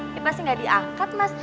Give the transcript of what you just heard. ini pasti gak diangkat mas